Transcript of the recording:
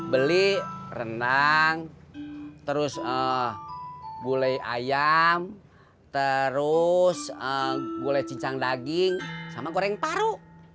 beli renang terus gulai ayam terus gulai cincang daging sama goreng paru